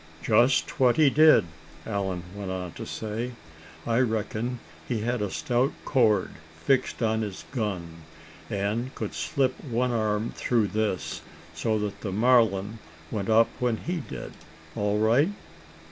"Just what he did," Allan went on to say. "I reckon he had a stout cord fixed on his gun, and could slip one arm through this, so that the Marlin went up when he did, all right."